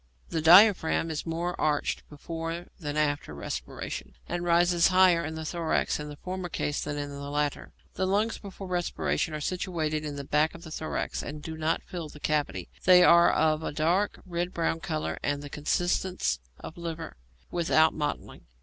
The diaphragm is more arched before than after respiration, and rises higher in the thorax in the former case than in the latter. The lungs before respiration are situated in the back of the thorax, and do not fill that cavity; they are of a dark, red brown colour and of the consistence of liver, without mottling.